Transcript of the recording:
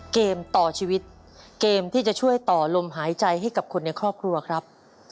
เกมต่อชีวิตเกมที่จะช่วยต่อลมหายใจให้กับคนในครอบครัวครับ